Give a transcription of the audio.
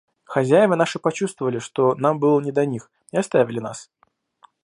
Хозяева наши почувствовали, что нам было не до них, и оставили нас.